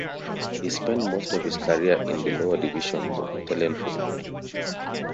He spent most of his career in the lower divisions of Italian football.